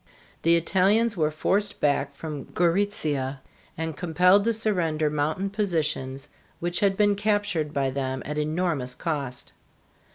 The Italians were forced back from Gorizia and compelled to surrender mountain positions which had been captured by them at enormous cost.